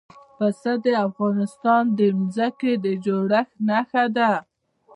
پسه د افغانستان د ځمکې د جوړښت نښه ده.